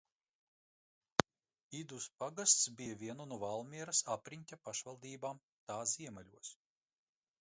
Idus pagasts bija viena no Valmieras apriņķa pašvaldībām tā ziemeļos.